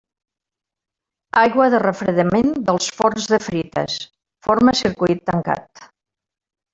Aigua de refredament dels forns de frites: forma circuit tancat.